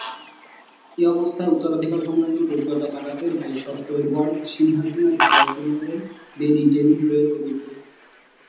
এ অবস্থায় উত্তরাধিকার সংক্রান্ত জটিলতা কাটাতে ভাই ষষ্ঠ এডওয়ার্ড সিংহাসনের ভার অর্পণ করেন লেডি জেন গ্রে-এর উপর।